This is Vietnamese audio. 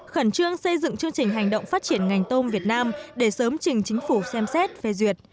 khẩn trương xây dựng chương trình hành động phát triển ngành tôm việt nam để sớm trình chính phủ xem xét phê duyệt